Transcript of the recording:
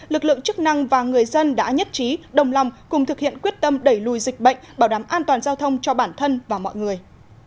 lực lượng chức năng và người dân đã nhất trí đồng lòng cùng thực hiện quyết tâm đẩy lùi dịch bệnh bảo đảm an toàn giao thông cho bản thân và mọi người